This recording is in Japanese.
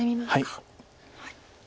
はい。